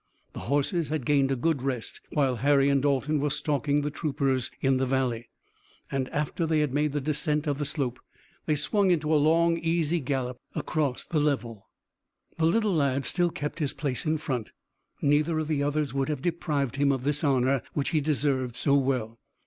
The horses had gained a good rest, while Harry and Dalton were stalking the troopers in the valley, and, after they had made the descent of the slope, they swung into a long easy gallop across the level. The little lad still kept his place in front. Neither of the others would have deprived him of this honor which he deserved so well.